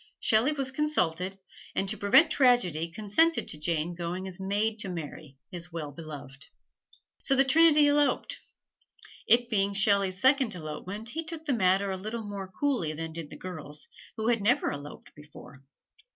Shelley was consulted, and to prevent tragedy consented to Jane going as maid to Mary, his well beloved. So the trinity eloped. It being Shelley's second elopement, he took the matter a little more coolly than did the girls, who had never eloped before.